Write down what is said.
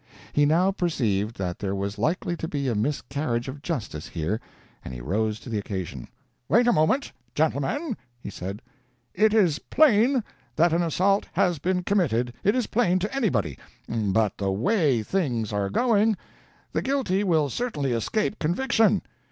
He now perceived that there was likely to be a miscarriage of justice here, and he rose to the occasion. "Wait a moment, gentlemen," he said, "it is plain that an assault has been committed it is plain to anybody; but the way things are going, the guilty will certainly escape conviction.